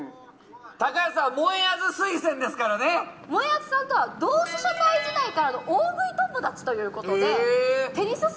高安さんもえあず推薦ですからね。もえあずさんとは同志社大時代からの大食い友達ということで。